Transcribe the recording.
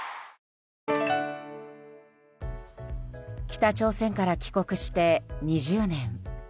北朝鮮から帰国して２０年。